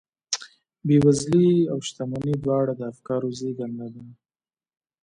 بېوزلي او شتمني دواړې د افکارو زېږنده دي.